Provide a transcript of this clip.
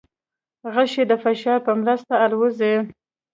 غشی د فشار په مرسته الوزي.